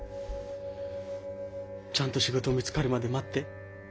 ちゃんと仕事見つかるまで待って。